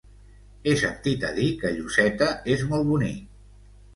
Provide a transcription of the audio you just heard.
He sentit a dir que Lloseta és molt bonic.